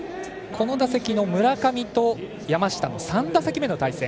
この打席の村上と山下の３打席目の対戦。